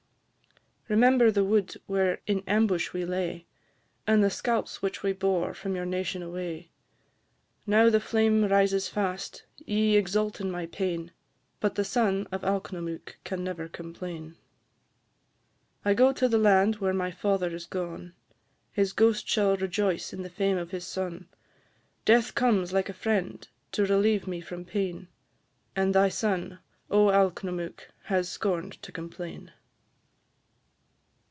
Remember the wood where in ambush we lay, And the scalps which we bore from your nation away: Now the flame rises fast; ye exult in my pain; But the son of Alknomook can never complain. I go to the land where my father is gone; His ghost shall rejoice in the fame of his son. Death comes, like a friend, to relieve me from pain, And thy son, O Alknomook! has scorn'd to complain.